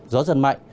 gió giật mạnh